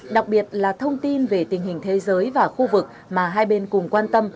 đặc biệt là thông tin về tình hình thế giới và khu vực mà hai bên cùng quan tâm